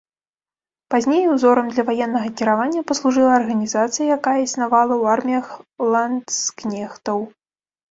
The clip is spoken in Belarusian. Пазней узорам для ваеннага кіравання паслужыла арганізацыя, якая існавала ў арміях ландскнехтаў.